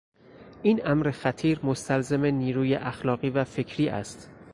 این امر خطیر مستلزم نیروی اخلاقی و فکری است.